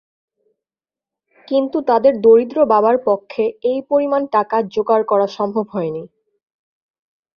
কিন্তু তাদের দরিদ্র বাবার পক্ষে এই পরিমাণ টাকা জোগাড় করা সম্ভব হয়নি।